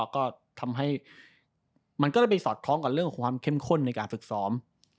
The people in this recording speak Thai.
ก็ทำให้มันก็เลยไปสอดคล้องกับเรื่องความเข้มข้นในการฝึกซ้อม